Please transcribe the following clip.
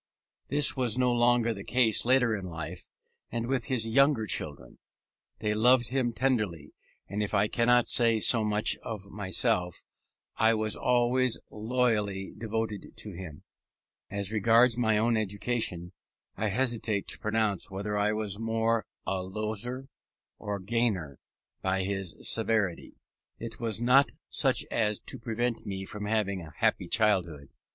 This was no longer the case later in life, and with his younger children. They loved him tenderly: and if I cannot say so much of myself, I was always loyally devoted to him. As regards my own education, I hesitate to pronounce whether I was more a loser or gainer by his severity. It was not such as to prevent me from having a happy childhood.